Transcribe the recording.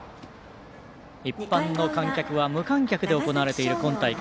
一般の観客は無観客で行われている今大会。